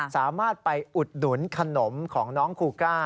สามารถไปอุดหนุนขนมของน้องคูก้า